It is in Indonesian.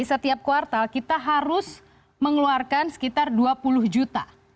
setiap kuartal kita harus mengeluarkan sekitar dua puluh juta